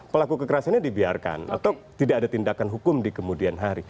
pelaku kekerasannya dibiarkan atau tidak ada tindakan hukum di kemudian hari